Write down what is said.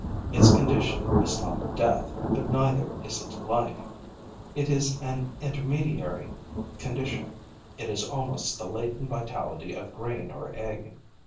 Its condition is not death, but neither is it life. It is an intermediary condition; it is almost the latent vitality of grain or egg.